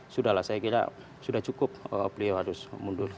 sudahlah saya kira sudah cukup beliau harus mundur